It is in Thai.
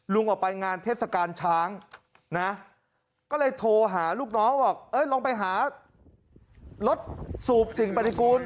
ออกไปงานเทศกาลช้างนะก็เลยโทรหาลูกน้องบอกลงไปหารถสูบสิ่งปฏิกูล